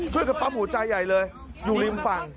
ช่วยกันปั๊มหัวใจใหญ่เลยอยู่ริมฝั่ง